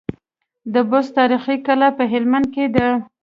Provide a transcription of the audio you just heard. د بست تاريخي کلا په هلمند کي ده